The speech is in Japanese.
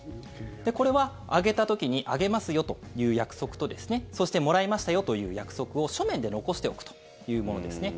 これはあげた時にあげますよという約束とそしてもらいましたよという約束を書面で残しておくというものですね。